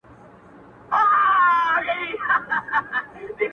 ژوند ټوله پند دی!